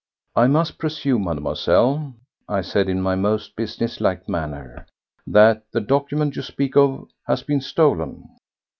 "I must presume, Mademoiselle," I said in my most business like manner, "that the document you speak of has been stolen."